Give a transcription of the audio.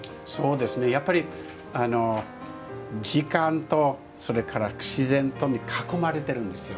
やっぱり時間とそれから自然とに囲まれてるんですよ。